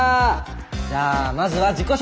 じゃあまずは自己紹介。